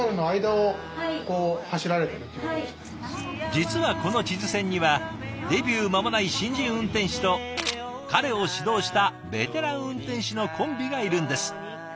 実はこの智頭線にはデビュー間もない新人運転士と彼を指導したベテラン運転士のコンビがいるんです。